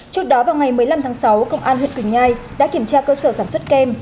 trước đó vào ngày một mươi năm tháng sáu công an huyện quỳnh nhai đã kiểm tra cơ sở sản xuất kem